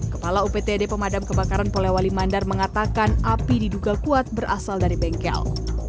kepala uptd pemadam kebakaran polewali mandar mengatakan api diduga kuat berasal dari bengkel